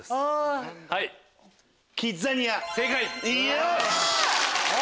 よし！